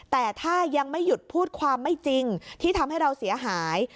แต่ถ้ายังไม่หยุดพูดความไม่จริงที่ทำให้เราเสียหาย